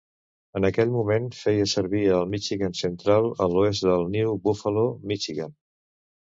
En aquell moment, feia servir el Michigan Central, a l'oest de New Buffalo, Michigan.